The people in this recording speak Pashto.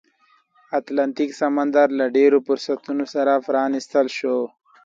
اتلانتیک سمندر له لا ډېرو فرصتونو سره پرانیستل شو.